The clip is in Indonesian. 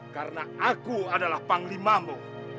karena aku adalah panglimamu